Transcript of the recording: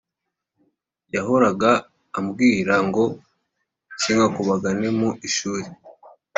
yahoraga ambwira ngo sinkakubagane mu ishuri